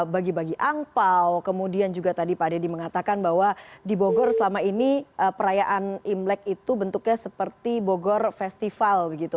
bagi bagi angpao kemudian juga tadi pak deddy mengatakan bahwa di bogor selama ini perayaan imlek itu bentuknya seperti bogor festival begitu